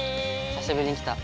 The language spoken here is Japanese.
久しぶりに着た。